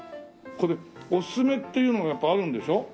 これおすすめっていうのがやっぱりあるんでしょ？